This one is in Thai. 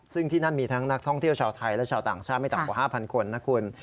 ซึ่งที่นั่นมีทั้งนักท่องเที่ยวชาวไทยและชาวต่างชาติไม่ต่ำกว่า๕๐๐คนนะคุณ